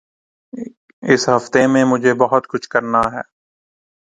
اس ہفتے میں مجھے بہت کچھ کرنا ہے۔